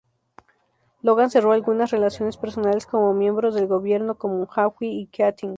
Logan cerró algunas relaciones personales con miembros del gobierno como Hawke y Keating.